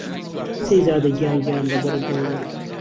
سهیزاده گیان گیان له بهرت دهمرم